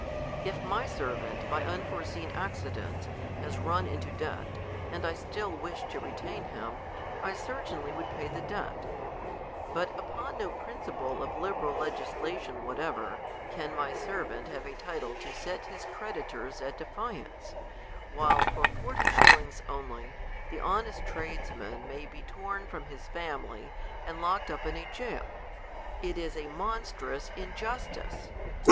If my servant, by unforeseen accidents, has run into debt, and I still wish to retain him, I certainly would pay the debt. But upon no principle of liberal legis lation whatever, can my servant have a title to set his creditors at defiance, while for forty shillings only, the honest tradesman maybe torn from his family, and locked up in a jail. It is monstrous injustice